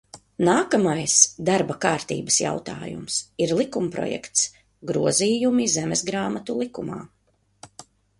"Nākamais darba kārtības jautājums ir likumprojekts "Grozījumi Zemesgrāmatu likumā"."